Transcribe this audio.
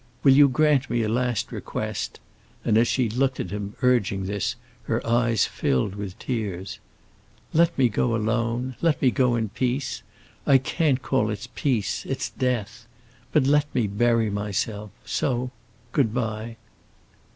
"Will you grant me a last request?" and as she looked at him, urging this, her eyes filled with tears. "Let me go alone—let me go in peace. I can't call it peace—it's death. But let me bury myself. So—good bye."